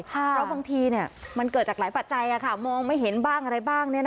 และบางทีมันเกิดจากหลายปัจจัย